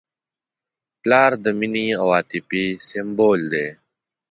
پلار د مینې او عاطفې سمبول دی.